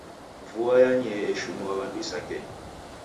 Vua yanyee eshinua w'andu isangenyi.